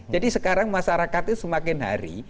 jadi sekarang masyarakatnya semakin hari